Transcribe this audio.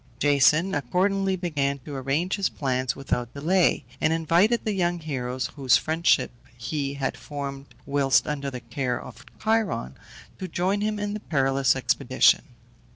Jason accordingly began to arrange his plans without delay, and invited the young heroes whose friendship he had formed whilst under the care of Chiron, to join him in the perilous expedition.